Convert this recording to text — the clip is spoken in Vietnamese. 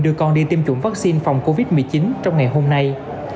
đưa con đi tiêm chủng vaccine phòng covid một mươi chín trong ngày hôm nay